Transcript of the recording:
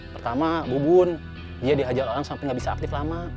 pertama bubun dia dihajar orang sampai gak bisa aktif lama